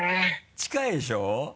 近いでしょ？